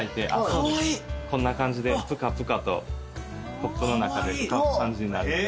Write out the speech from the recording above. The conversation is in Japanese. そうですこんな感じでプカプカとコップの中で浮かぶ感じになるので。